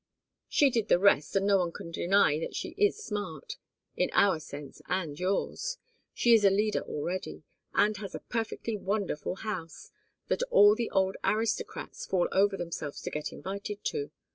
She did the rest, and no one can deny that she is smart in our sense and yours! She is a leader already, and has a perfectly wonderful house, that all the old aristocrats fall over themselves to get invited to.